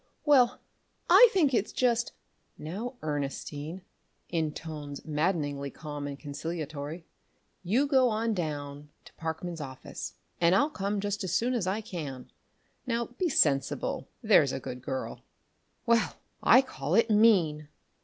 "Well, I think it's just " "Now, Ernestine," in tones maddeningly calm and conciliatory "you go on down to Parkman's office and I'll come just as soon as I can. Now be sensible there's a good girl." "Well, I call it _mean!